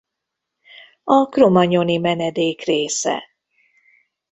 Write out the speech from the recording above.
A cro-magnoni menedék része.